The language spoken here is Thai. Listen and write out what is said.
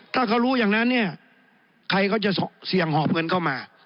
ถ้าเขารู้อย่างนั้นเนี่ยใครเขาจะเสี่ยงหอบเงินเข้ามา